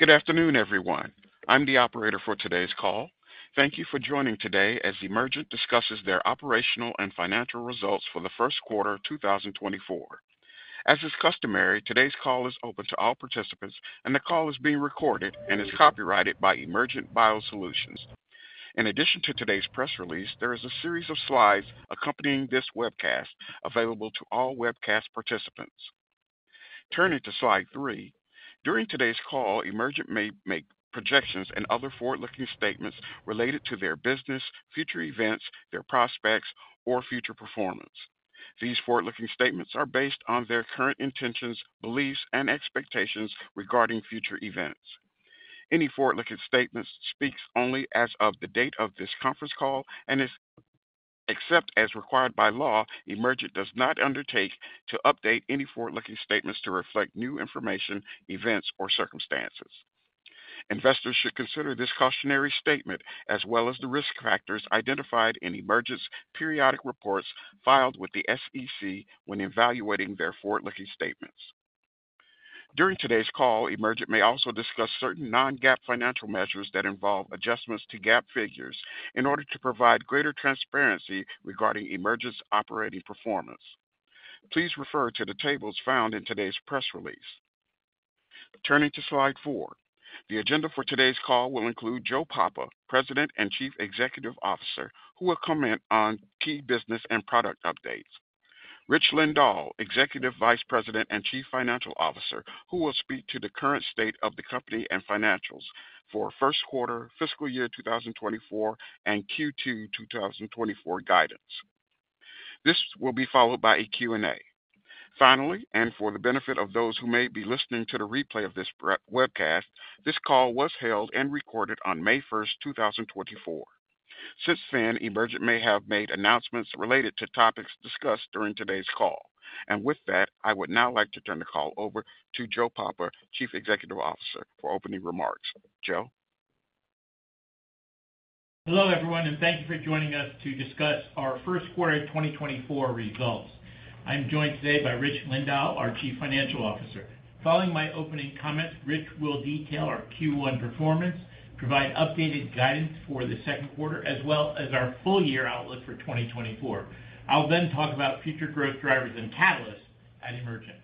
Good afternoon, everyone. I'm the operator for today's call. Thank you for joining today as Emergent discusses their operational and financial results for the first quarter of 2024. As is customary, today's call is open to all participants, and the call is being recorded and is copyrighted by Emergent BioSolutions. In addition to today's press release, there is a series of slides accompanying this webcast available to all webcast participants. Turning to slide three. During today's call, Emergent may make projections and other forward-looking statements related to their business, future events, their prospects, or future performance. These forward-looking statements are based on their current intentions, beliefs, and expectations regarding future events. Any forward-looking statements speaks only as of the date of this conference call and is, except as required by law, Emergent does not undertake to update any forward-looking statements to reflect new information, events, or circumstances. Investors should consider this cautionary statement, as well as the risk factors identified in Emergent's periodic reports filed with the SEC when evaluating their forward-looking statements. During today's call, Emergent may also discuss certain non-GAAP financial measures that involve adjustments to GAAP figures in order to provide greater transparency regarding Emergent's operating performance. Please refer to the tables found in today's press release. Turning to slide four. The agenda for today's call will include Joe Papa, President and Chief Executive Officer, who will comment on key business and product updates. Rich Lindahl, Executive Vice President and Chief Financial Officer, who will speak to the current state of the company and financials for first quarter fiscal year 2024 and Q2 2024 guidance. This will be followed by a Q&A. Finally, and for the benefit of those who may be listening to the replay of this webcast, this call was held and recorded on May 1, 2024. Since then, Emergent may have made announcements related to topics discussed during today's call. And with that, I would now like to turn the call over to Joe Papa, Chief Executive Officer, for opening remarks. Joe? Hello, everyone, and thank you for joining us to discuss our first quarter of 2024 results. I'm joined today by Rich Lindahl, our Chief Financial Officer. Following my opening comments, Rich will detail our Q1 performance, provide updated guidance for the second quarter, as well as our full-year outlook for 2024. I'll then talk about future growth drivers and catalysts at Emergent.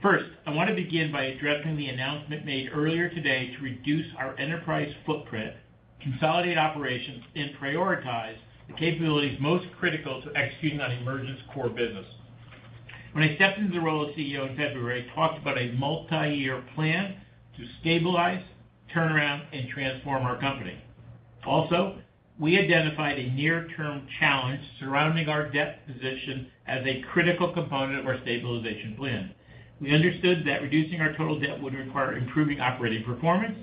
First, I want to begin by addressing the announcement made earlier today to reduce our enterprise footprint, consolidate operations, and prioritize the capabilities most critical to executing on Emergent's core business. When I stepped into the role of CEO in February, I talked about a multiyear plan to stabilize, turnaround, and transform our company. Also, we identified a near-term challenge surrounding our debt position as a critical component of our stabilization plan. We understood that reducing our total debt would require improving operating performance,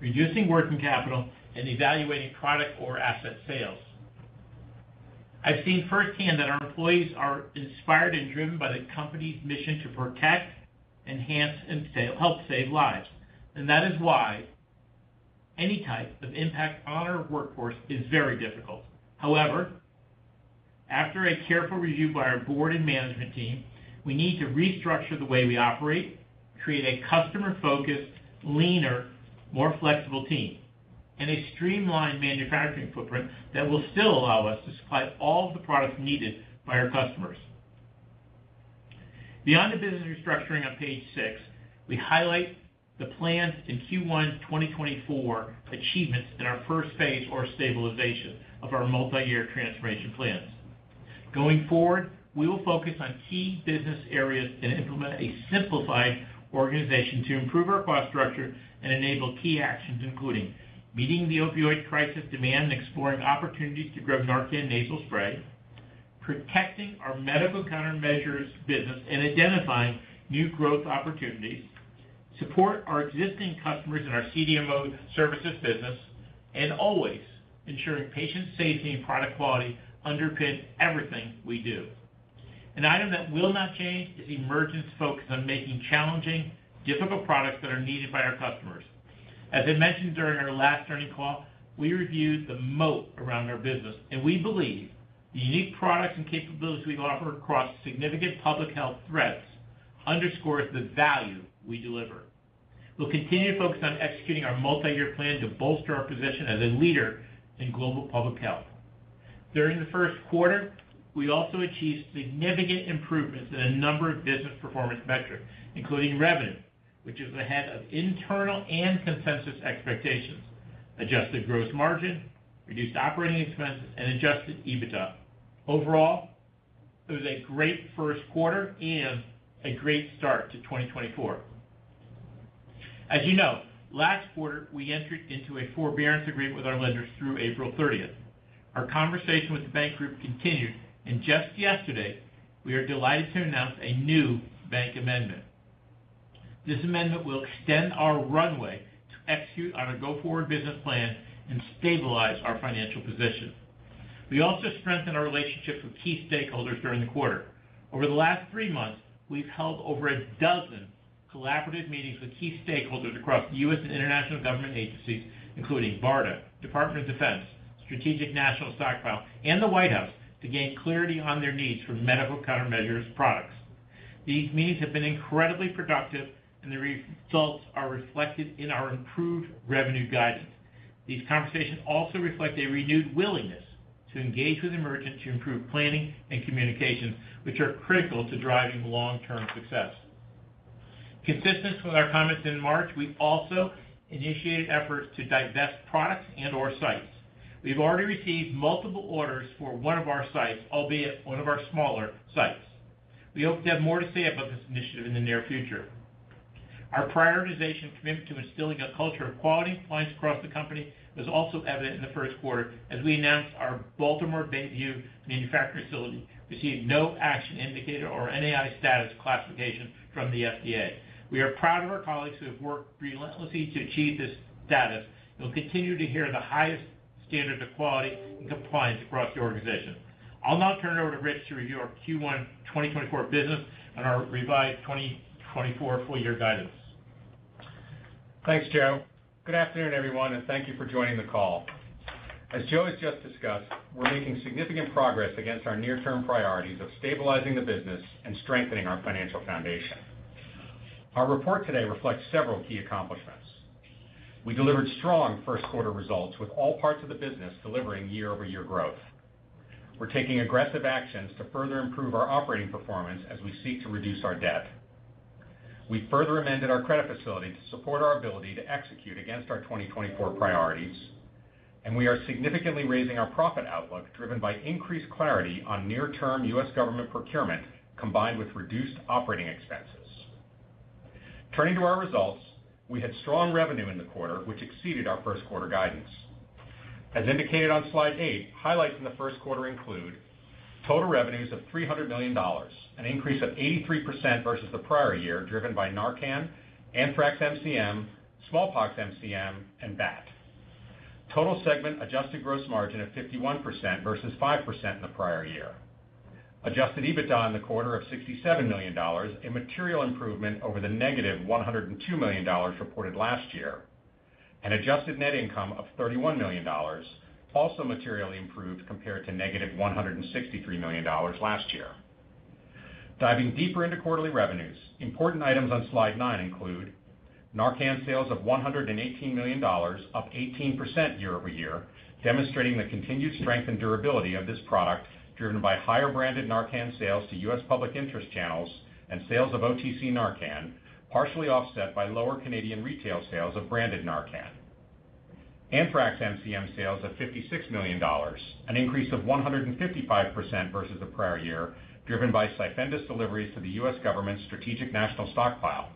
reducing working capital, and evaluating product or asset sales. I've seen firsthand that our employees are inspired and driven by the company's mission to protect, enhance, and help save lives, and that is why any type of impact on our workforce is very difficult. However, after a careful review by our board and management team, we need to restructure the way we operate, create a customer-focused, leaner, more flexible team, and a streamlined manufacturing footprint that will still allow us to supply all of the products needed by our customers. Beyond the business restructuring on page six, we highlight the plans in Q1 2024 achievements in our first phase or stabilization of our multi-year transformation plans. Going forward, we will focus on key business areas and implement a simplified organization to improve our cost structure and enable key actions, including: meeting the opioid crisis demand and exploring opportunities to grow NARCAN Nasal Spray, protecting our medical countermeasures business and identifying new growth opportunities, support our existing customers in our CDMO services business, and always ensuring patient safety and product quality underpin everything we do. An item that will not change is Emergent's focus on making challenging, difficult products that are needed by our customers. As I mentioned during our last earnings call, we reviewed the moat around our business, and we believe the unique products and capabilities we offer across significant public health threats underscores the value we deliver. We'll continue to focus on executing our multiyear plan to bolster our position as a leader in global public health. During the first quarter, we also achieved significant improvements in a number of business performance metrics, including revenue, which is ahead of internal and consensus expectations, adjusted gross margin, reduced operating expenses, and adjusted EBITDA. Overall, it was a great first quarter and a great start to 2024. As you know, last quarter, we entered into a forbearance agreement with our lenders through April 30th. Our conversation with the bank group continued, and just yesterday, we are delighted to announce a new bank amendment. This amendment will extend our runway to execute on our go-forward business plan and stabilize our financial position. We also strengthened our relationship with key stakeholders during the quarter. Over the last three months, we've held over a dozen collaborative meetings with key stakeholders across U.S. and international government agencies, including BARDA, Department of Defense, Strategic National Stockpile, and the White House, to gain clarity on their needs for medical countermeasures products. These meetings have been incredibly productive, and the results are reflected in our improved revenue guidance. These conversations also reflect a renewed willingness to engage with Emergent to improve planning and communication, which are critical to driving long-term success. Consistent with our comments in March, we've also initiated efforts to divest products and/or sites. We've already received multiple orders for one of our sites, albeit one of our smaller sites. We hope to have more to say about this initiative in the near future. Our prioritization commitment to instilling a culture of quality and compliance across the company was also evident in the first quarter, as we announced our Baltimore Bayview manufacturing facility received no action indicated or NAI status classification from the FDA. We are proud of our colleagues who have worked relentlessly to achieve this status. You'll continue to hear the highest standard of quality and compliance across the organization. I'll now turn it over to Rich to review our Q1 2024 business and our revised 2024 full year guidance. Thanks, Joe. Good afternoon, everyone, and thank you for joining the call. As Joe has just discussed, we're making significant progress against our near-term priorities of stabilizing the business and strengthening our financial foundation. Our report today reflects several key accomplishments. We delivered strong first quarter results, with all parts of the business delivering year-over-year growth. We're taking aggressive actions to further improve our operating performance as we seek to reduce our debt. We further amended our credit facility to support our ability to execute against our 2024 priorities, and we are significantly raising our profit outlook, driven by increased clarity on near-term U.S. government procurement, combined with reduced operating expenses. Turning to our results, we had strong revenue in the quarter, which exceeded our first quarter guidance. As indicated on slide eight, highlights in the first quarter include total revenues of $300 million, an increase of 83% versus the prior year, driven by NARCAN, Anthrax MCM, Smallpox MCM, and BAT. Total segment adjusted gross margin of 51% versus 5% in the prior year. Adjusted EBITDA in the quarter of $67 million, a material improvement over the negative $102 million reported last year. An adjusted net income of $31 million, also materially improved compared to negative $163 million last year. Diving deeper into quarterly revenues, important items on slide nine include NARCAN sales of $118 million, up 18% year-over-year, demonstrating the continued strength and durability of this product, driven by higher branded NARCAN sales to U.S. public interest channels and sales of OTC NARCAN, partially offset by lower Canadian retail sales of branded NARCAN. Anthrax MCM sales of $56 million, an increase of 155% versus the prior year, driven by CYFENDUS deliveries to the U.S. government's Strategic National Stockpile,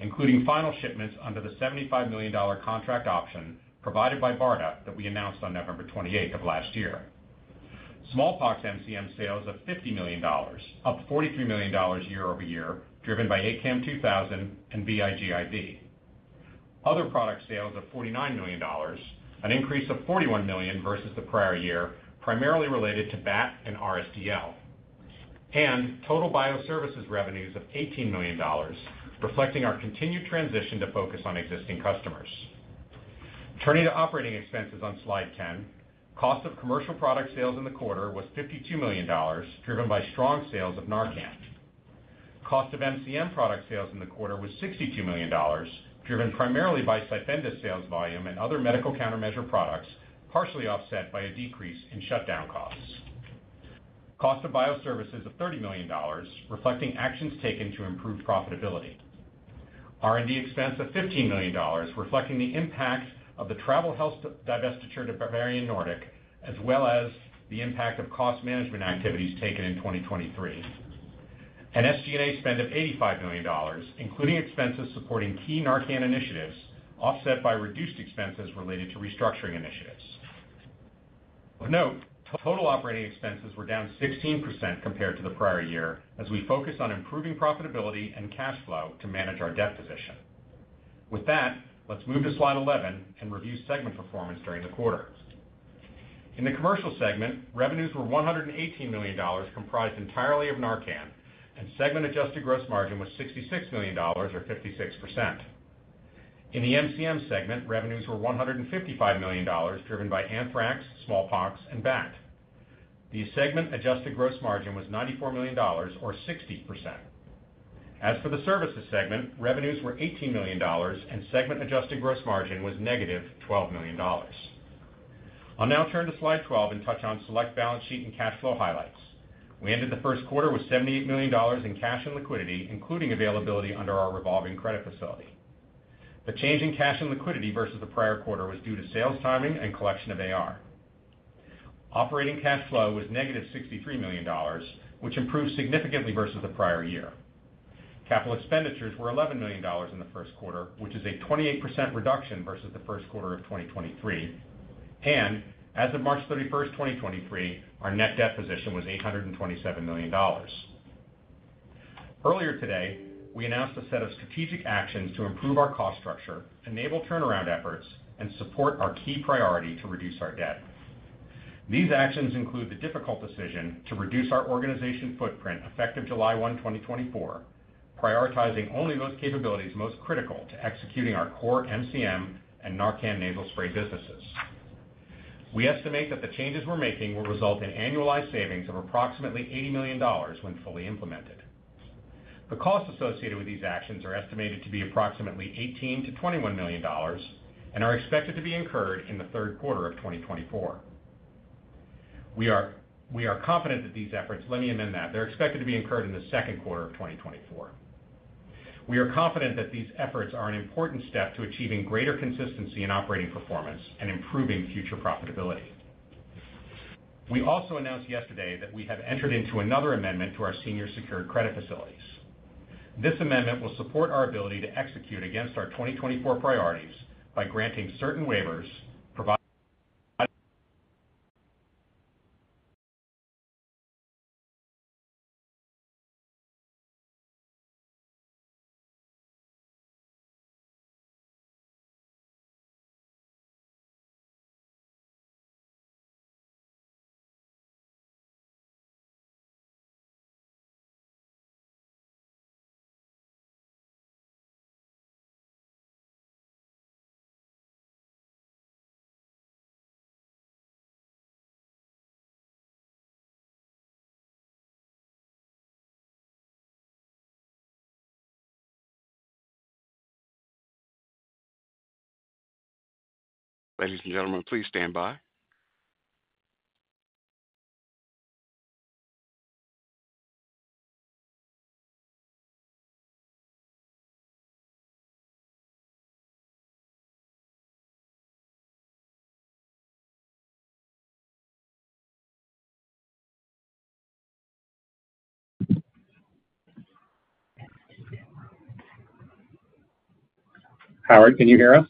including final shipments under the $75 million contract option provided by BARDA that we announced on November 28 of last year. Smallpox MCM sales of $50 million, up $43 million year-over-year, driven by ACAM2000 and VIGIV. Other product sales of $49 million, an increase of $41 million versus the prior year, primarily related to BAT and RSDL, and total bioservices revenues of $18 million, reflecting our continued transition to focus on existing customers. Turning to operating expenses on Slide 10, cost of commercial product sales in the quarter was $52 million, driven by strong sales of NARCAN. Cost of MCM product sales in the quarter was $62 million, driven primarily by CYFENDUS sales volume and other medical countermeasure products, partially offset by a decrease in shutdown costs. Cost of bioservices of $30 million, reflecting actions taken to improve profitability. R&D expense of $15 million, reflecting the impact of the Travel Health divestiture to Bavarian Nordic, as well as the impact of cost management activities taken in 2023. An SG&A spend of $85 million, including expenses supporting key NARCAN initiatives, offset by reduced expenses related to restructuring initiatives. Of note, total operating expenses were down 16% compared to the prior year, as we focus on improving profitability and cash flow to manage our debt position. With that, let's move to slide 11 and review segment performance during the quarter. In the commercial segment, revenues were $118 million, comprised entirely of NARCAN, and segment adjusted gross margin was $66 million, or 56%. In the MCM segment, revenues were $155 million, driven by Anthrax, Smallpox, and BAT. The segment adjusted gross margin was $94 million, or 60%. As for the services segment, revenues were $18 million, and segment adjusted gross margin was -$12 million. I'll now turn to Slide 12 and touch on select balance sheet and cash flow highlights. We ended the first quarter with $78 million in cash and liquidity, including availability under our revolving credit facility. The change in cash and liquidity versus the prior quarter was due to sales timing and collection of AR. Operating cash flow was negative $63 million, which improved significantly versus the prior year. Capital expenditures were $11 million in the first quarter, which is a 28% reduction versus the first quarter of 2023, and as of March 31, 2023, our net debt position was $827 million. Earlier today, we announced a set of strategic actions to improve our cost structure, enable turnaround efforts, and support our key priority to reduce our debt. These actions include the difficult decision to reduce our organizational footprint, effective July 1, 2024, prioritizing only those capabilities most critical to executing our core MCM and NARCAN Nasal Spray businesses. We estimate that the changes we're making will result in annualized savings of approximately $80 million when fully implemented. The costs associated with these actions are estimated to be approximately $18 million-$21 million and are expected to be incurred in the third quarter of 2024. We are confident that these efforts. Let me amend that. They're expected to be incurred in the second quarter of 2024. We are confident that these efforts are an important step to achieving greater consistency in operating performance and improving future profitability. We also announced yesterday that we have entered into another amendment to our senior secured credit facilities. This amendment will support our ability to execute against our 2024 priorities by granting certain waivers, providing- Ladies and gentlemen, please stand by. Howard, can you hear us?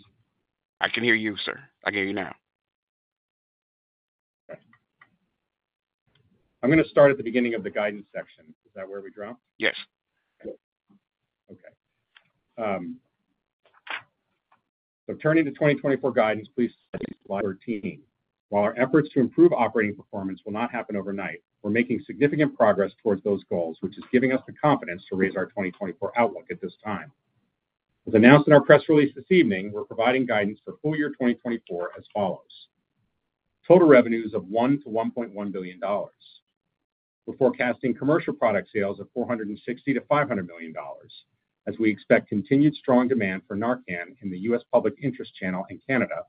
I can hear you, sir. I can hear you now. Okay. I'm gonna start at the beginning of the guidance section. Is that where we dropped? Yes. Okay. So turning to 2024 guidance, please slide 13. While our efforts to improve operating performance will not happen overnight, we're making significant progress towards those goals, which is giving us the confidence to raise our 2024 outlook at this time. As announced in our press release this evening, we're providing guidance for full year 2024 as follows: Total revenues of $1 billion-$1.1 billion. We're forecasting commercial product sales of $460 million-$500 million, as we expect continued strong demand for NARCAN in the U.S. public interest channel in Canada,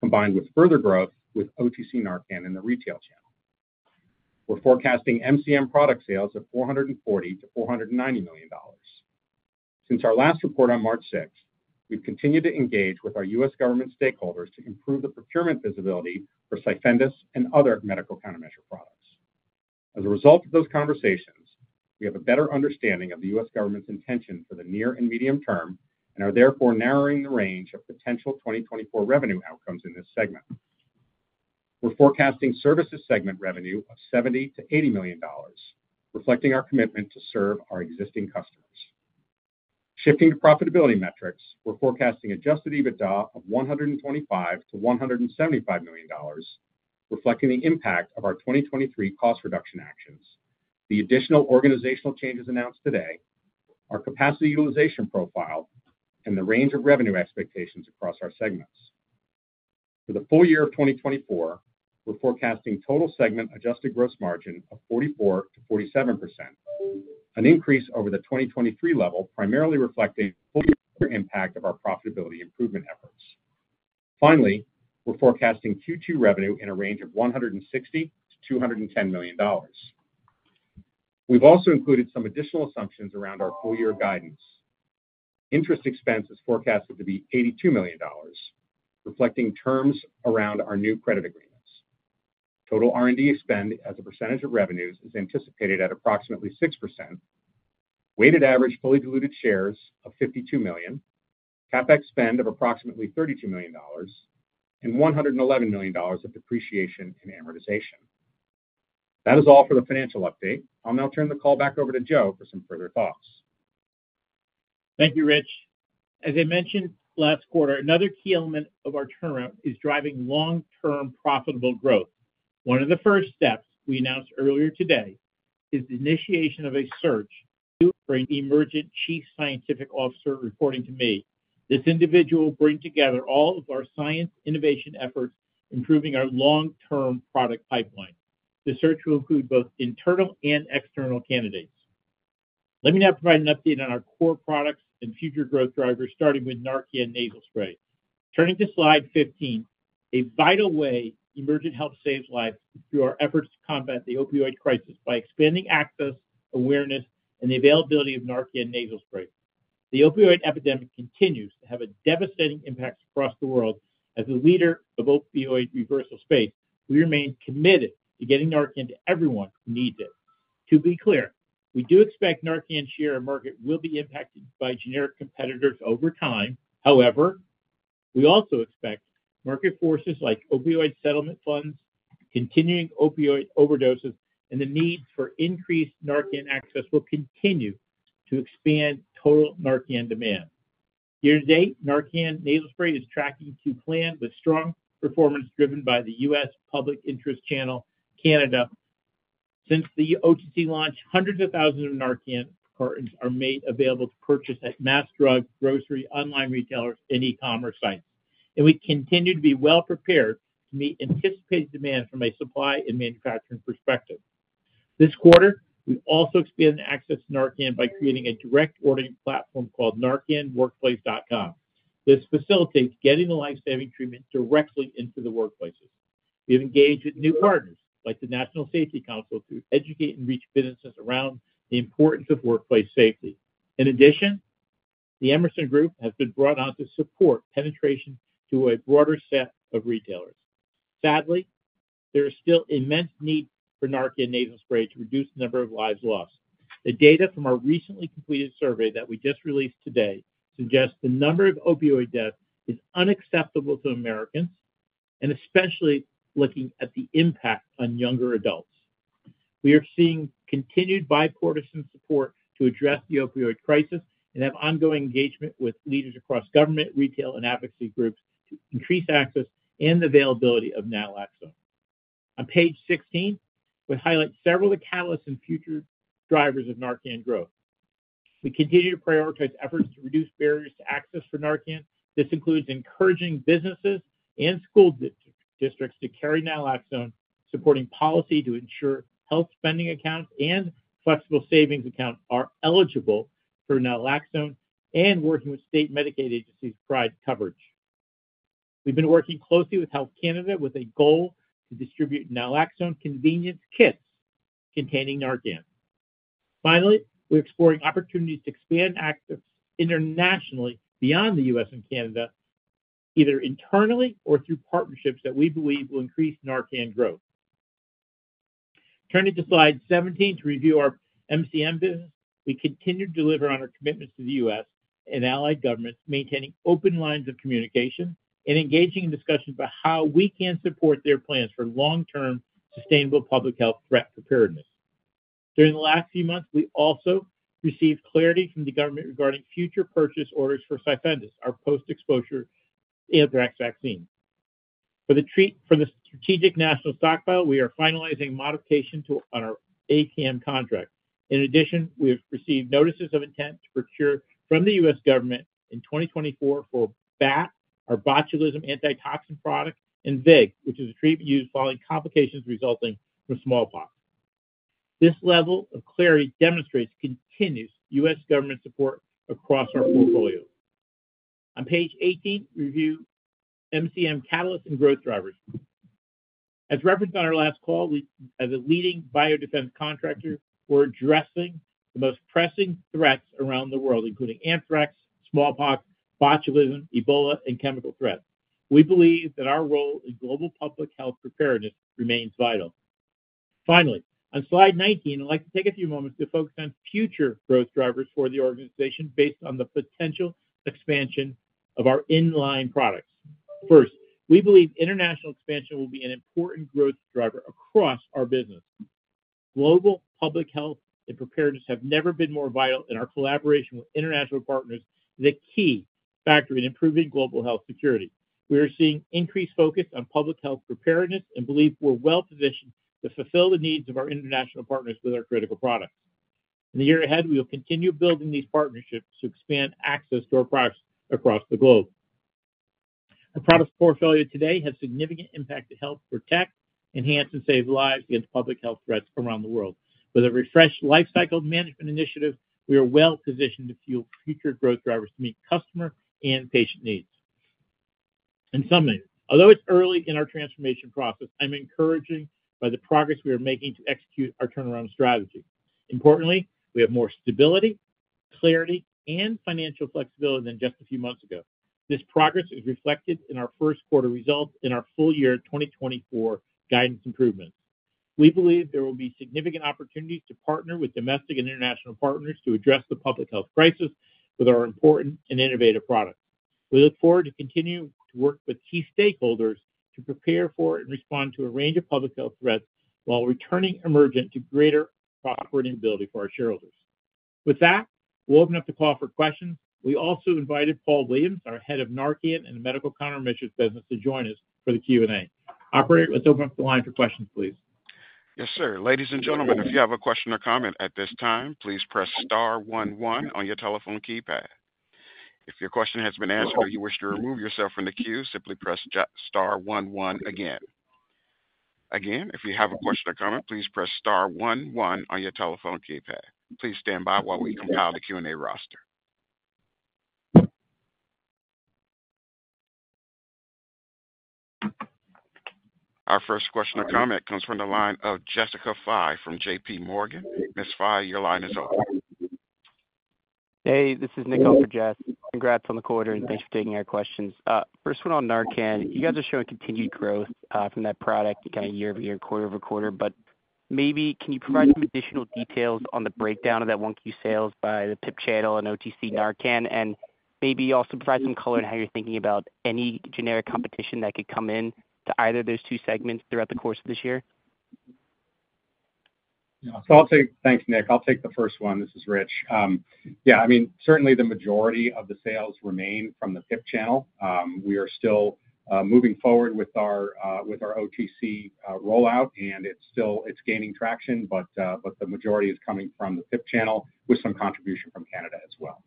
combined with further growth with OTC NARCAN in the retail channel. We're forecasting MCM product sales of $440 million-$490 million. Since our last report on March 6, we've continued to engage with our U.S. government stakeholders to improve the procurement visibility for CYFENDUS and other medical countermeasure products. As a result of those conversations, we have a better understanding of the U.S. government's intention for the near and medium term, and are therefore narrowing the range of potential 2024 revenue outcomes in this segment. We're forecasting services segment revenue of $70 million-$80 million, reflecting our commitment to serve our existing customers. Shifting to profitability metrics, we're forecasting Adjusted EBITDA of $125 million-$175 million, reflecting the impact of our 2023 cost reduction actions, the additional organizational changes announced today, our capacity utilization profile, and the range of revenue expectations across our segments. For the full year of 2024, we're forecasting total segment adjusted gross margin of 44%-47%, an increase over the 2023 level, primarily reflecting full year impact of our profitability improvement efforts. Finally, we're forecasting Q2 revenue in a range of $160 million-$210 million. We've also included some additional assumptions around our full year guidance. Interest expense is forecasted to be $82 million, reflecting terms around our new credit agreements. Total R&D spend as a percentage of revenues is anticipated at approximately 6%, weighted average fully diluted shares of 52 million, CapEx spend of approximately $32 million, and $111 million of depreciation and amortization. That is all for the financial update. I'll now turn the call back over to Joe for some further thoughts. Thank you, Rich. As I mentioned last quarter, another key element of our turnaround is driving long-term profitable growth. One of the first steps we announced earlier today is the initiation of a search for an Emergent Chief Scientific Officer reporting to me. This individual will bring together all of our science innovation efforts, improving our long-term product pipeline. The search will include both internal and external candidates. Let me now provide an update on our core products and future growth drivers, starting with NARCAN Nasal Spray. Turning to slide 15, a vital way Emergent saves lives is through our efforts to combat the opioid crisis by expanding access, awareness, and the availability of NARCAN Nasal Spray. The opioid epidemic continues to have a devastating impact across the world. As a leader of opioid reversal space, we remain committed to getting NARCAN to everyone who needs it. To be clear, we do expect NARCAN share and market will be impacted by generic competitors over time. However, we also expect market forces like opioid settlement funds, continuing opioid overdoses, and the need for increased NARCAN access will continue to expand total NARCAN demand. Year-to-date, NARCAN Nasal Spray is tracking to plan with strong performance driven by the U.S. Public Interest Channel, Canada, since the OTC launch, hundreds of thousands of NARCAN cartons are made available to purchase at mass drug, grocery, online retailers, and e-commerce sites, and we continue to be well-prepared to meet anticipated demand from a supply and manufacturing perspective. This quarter, we've also expanded access to NARCAN by creating a direct ordering platform called narcanworkplace.com. This facilitates getting the life-saving treatment directly into the workplaces. We've engaged with new partners, like the National Safety Council, to educate and reach businesses around the importance of workplace safety. In addition, The Emerson Group has been brought on to support penetration to a broader set of retailers. Sadly, there is still immense need for NARCAN Nasal Spray to reduce the number of lives lost. The data from our recently completed survey that we just released today suggests the number of opioid deaths is unacceptable to Americans, and especially looking at the impact on younger adults. We are seeing continued bipartisan support to address the opioid crisis and have ongoing engagement with leaders across government, retail, and advocacy groups to increase access and availability of naloxone. On page 16, we highlight several of the catalysts and future drivers of NARCAN growth. We continue to prioritize efforts to reduce barriers to access for NARCAN. This includes encouraging businesses and school districts to carry naloxone, supporting policy to ensure health spending accounts and flexible savings accounts are eligible for naloxone, and working with state Medicaid agencies to provide coverage. We've been working closely with Health Canada with a goal to distribute naloxone convenience kits containing NARCAN. Finally, we're exploring opportunities to expand access internationally beyond the U.S. and Canada, either internally or through partnerships that we believe will increase NARCAN growth. Turning to slide 17 to review our MCM business. We continue to deliver on our commitments to the U.S. and allied governments, maintaining open lines of communication and engaging in discussions about how we can support their plans for long-term, sustainable public health threat preparedness. During the last few months, we also received clarity from the government regarding future purchase orders for CYFENDUS, our post-exposure anthrax vaccine. For the Strategic National Stockpile, we are finalizing modification to our ACAM contract. In addition, we have received notices of intent to procure from the U.S. government in 2024 for BAT, our botulism antitoxin product, and VIGIV, which is a treatment used following complications resulting from smallpox. This level of clarity demonstrates continuous U.S. government support across our portfolio. On page 18, review MCM catalysts and growth drivers. As referenced on our last call, we, as a leading biodefense contractor, we're addressing the most pressing threats around the world, including anthrax, smallpox, botulism, Ebola, and chemical threats. We believe that our role in global public health preparedness remains vital. Finally, on slide 19, I'd like to take a few moments to focus on future growth drivers for the organization based on the potential expansion of our in-line products. First, we believe international expansion will be an important growth driver across our business. Global public health and preparedness have never been more vital, and our collaboration with international partners is a key factor in improving global health security. We are seeing increased focus on public health preparedness and believe we're well-positioned to fulfill the needs of our international partners with our critical products. In the year ahead, we will continue building these partnerships to expand access to our products across the globe. Our product portfolio today has significant impact to help protect, enhance, and save lives against public health threats around the world. With a refreshed lifecycle management initiative, we are well positioned to fuel future growth drivers to meet customer and patient needs. In summary, although it's early in our transformation process, I'm encouraged by the progress we are making to execute our turnaround strategy. Importantly, we have more stability, clarity, and financial flexibility than just a few months ago. This progress is reflected in our first quarter results and our full year 2024 guidance improvements. We believe there will be significant opportunities to partner with domestic and international partners to address the public health crisis with our important and innovative products. We look forward to continuing to work with key stakeholders to prepare for and respond to a range of public health threats while returning Emergent to greater profitability for our shareholders. With that, we'll open up the call for questions. We also invited Paul Williams, our head of NARCAN and Medical Countermeasures business, to join us for the Q&A. Operator, let's open up the line for questions, please. Yes, sir. Ladies and gentlemen, if you have a question or comment at this time, please press star one one on your telephone keypad. If your question has been answered or you wish to remove yourself from the queue, simply press star one one again. Again, if you have a question or comment, please press star one one on your telephone keypad. Please stand by while we compile the Q&A roster. Our first question or comment comes from the line of Jessica Fye from JPMorgan. Ms. Fye, your line is open. Hey, this is Nick on for Jess. Congrats on the quarter, and thanks for taking our questions. First one on NARCAN. You guys are showing continued growth from that product, kind of year-over-year, quarter-over-quarter, but maybe can you provide some additional details on the breakdown of that 1Q sales by the PIP channel and OTC NARCAN? And maybe also provide some color on how you're thinking about any generic competition that could come in to either of those two segments throughout the course of this year. Yeah, so I'll take... Thanks, Nick. I'll take the first one. This is Rich. Yeah, I mean, certainly the majority of the sales remain from the PIP channel. We are still moving forward with our OTC rollout, and it's still gaining traction, but the majority is coming from the PIP channel, with some contribution from Canada as well.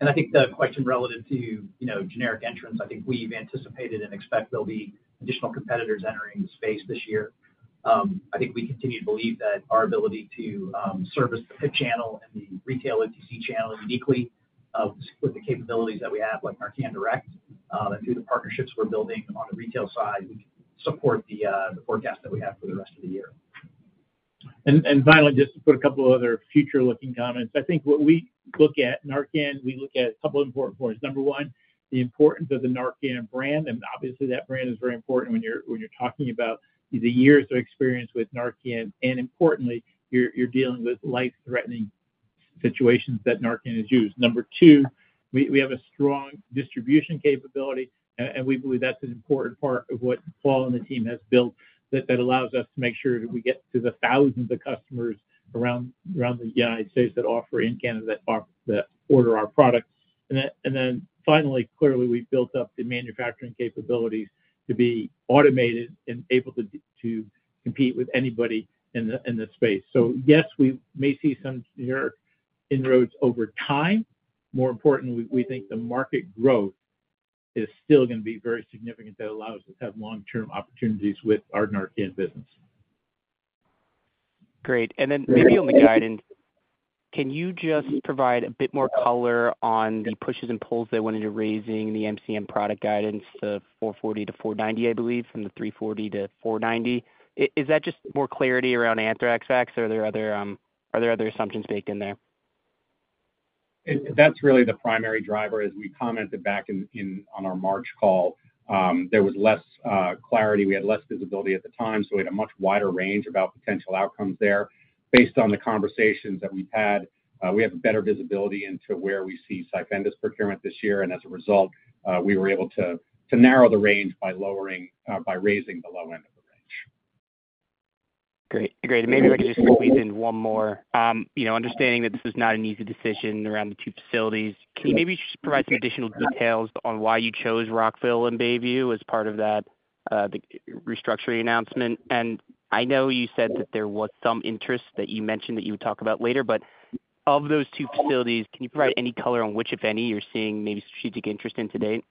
Yeah, and I think the question relative to, you know, generic entrants, I think we've anticipated and expect there'll be additional competitors entering the space this year. I think we continue to believe that our ability to service the channel and the retail OTC channel uniquely, with the capabilities that we have, like NARCAN Direct, and through the partnerships we're building on the retail side, support the forecast that we have for the rest of the year. Finally, just to put a couple of other future-looking comments, I think when we look at NARCAN, we look at a couple of important points. Number one, the importance of the NARCAN brand, and obviously, that brand is very important when you're talking about the years of experience with NARCAN, and importantly, you're dealing with life-threatening situations that NARCAN is used. Number two, we have a strong distribution capability, and we believe that's an important part of what Paul and the team has built, that allows us to make sure that we get to the thousands of customers around the United States and in Canada that order our products. Then finally, clearly, we've built up the manufacturing capabilities to be automated and able to compete with anybody in this space. So yes, we may see some generic inroads over time. More importantly, we think the market growth is still gonna be very significant. That allows us to have long-term opportunities with our NARCAN business. Great. Then maybe on the guidance, can you just provide a bit more color on the pushes and pulls that went into raising the MCM product guidance to $440 million-$490 million, I believe, from the $340 million-$490 million? Is that just more clarity around anthrax vaccine, or are there other assumptions baked in there? That's really the primary driver. As we commented back in on our March call, there was less clarity. We had less visibility at the time, so we had a much wider range about potential outcomes there. Based on the conversations that we've had, we have better visibility into where we see CYFENDUS's procurement this year, and as a result, we were able to narrow the range by raising the low end of the range. Great. Great. And maybe if I could just squeeze in one more. You know, understanding that this is not an easy decision around the two facilities, can you maybe just provide some additional details on why you chose Rockville and Bayview as part of that, the restructuring announcement? And I know you said that there was some interest that you mentioned that you would talk about later, but of those two facilities, can you provide any color on which, if any, you're seeing maybe strategic interest in to date?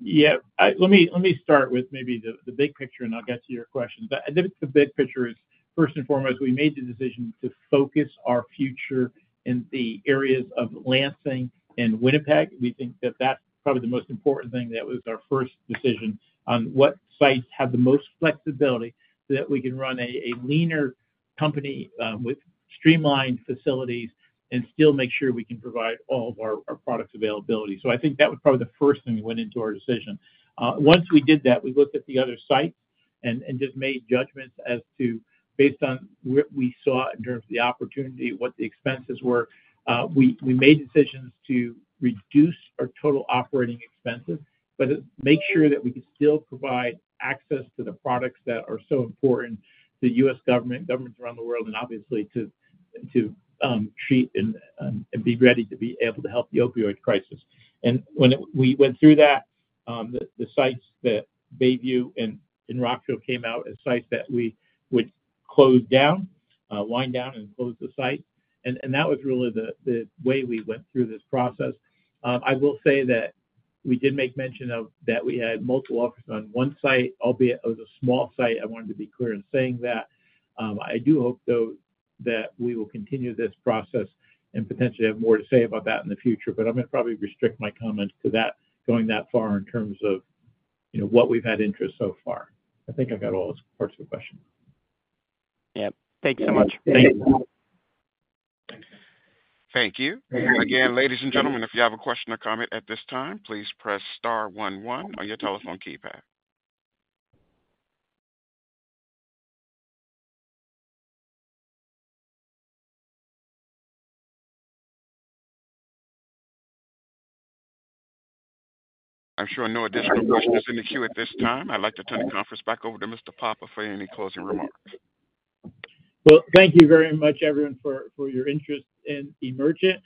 Yeah. Let me, let me start with maybe the, the big picture, and I'll get to your question. But I think the big picture is, first and foremost, we made the decision to focus our future in the areas of Lansing and Winnipeg. We think that that's probably the most important thing. That was our first decision on what sites have the most flexibility, so that we can run a, a leaner company, with streamlined facilities and still make sure we can provide all of our, our products availability. So I think that was probably the first thing that went into our decision. Once we did that, we looked at the other sites and, and just made judgments as to, based on what we saw in terms of the opportunity, what the expenses were. We made decisions to reduce our total operating expenses, but make sure that we could still provide access to the products that are so important to the U.S. government, governments around the world, and obviously, to treat and be ready to be able to help the opioid crisis. And we went through that, the sites that Bayview and Rockville came out as sites that we would close down, wind down and close the site. And that was really the way we went through this process. I will say that we did make mention of that we had multiple offers on one site, albeit it was a small site. I wanted to be clear in saying that. I do hope, though, that we will continue this process and potentially have more to say about that in the future, but I'm gonna probably restrict my comments to that, going that far in terms of, you know, what we've had interest so far. I think I've got all those parts of the question. Yeah. Thank you so much. Thanks. Thank you. Again, ladies and gentlemen, if you have a question or comment at this time, please press star one one on your telephone keypad. I'm showing no additional questions in the queue at this time. I'd like to turn the conference back over to Mr. Papa for any closing remarks. Well, thank you very much, everyone, for your interest in Emergent.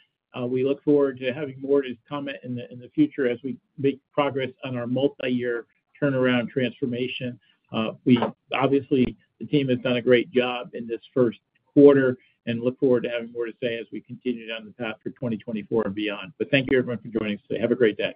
We look forward to having more to comment in the future as we make progress on our multiyear turnaround transformation. Obviously, the team has done a great job in this first quarter and look forward to having more to say as we continue down the path for 2024 and beyond. But thank you, everyone, for joining us today. Have a great day.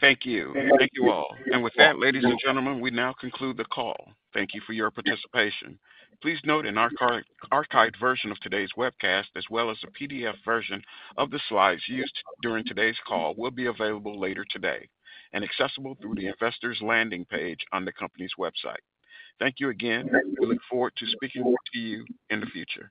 Thank you. Thank you all. And with that, ladies and gentlemen, we now conclude the call. Thank you for your participation. Please note an archived version of today's webcast, as well as a PDF version of the slides used during today's call, will be available later today and accessible through the Investors Landing page on the company's website. Thank you again. We look forward to speaking more to you in the future.